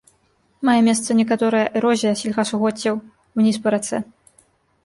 Мае месца некаторая эрозія сельгасугоддзяў уніз па рацэ.